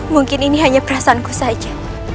mungkin ini hanya perasaanku saja